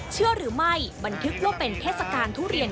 เชื่อหรือไม่บันทึกว่าเป็นเทศกาลทุเรียน